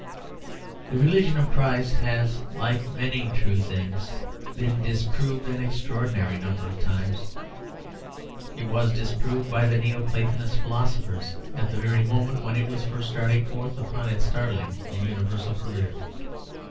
The religion of Christ has, like many true things, been disproved an extraordinary number of times. It was disproved by the Neo Platonist philosophers at the very moment when it was first starting forth upon its startling and universal career.